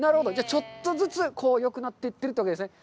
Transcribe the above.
ちょっとずつよくなっていってるというわけですね。